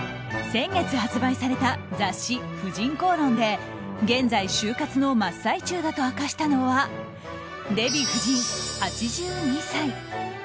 先月発売された雑誌「婦人公論」で現在、終活の真っ最中だと明かしたのはデヴィ夫人、８２歳。